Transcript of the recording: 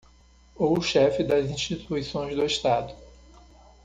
Ou chefe das instituições do Estado.